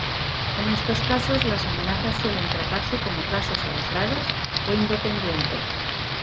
En estos casos, las amenazas suelen tratarse como casos aislados o independientes.